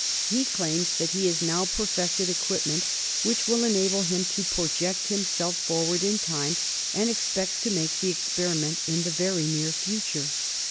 He claims that he has now perfected equipment which will enable him to project himself forward in time, and expects to make the experiment in the very near future.